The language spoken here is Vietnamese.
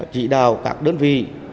chỉ đào các đơn vị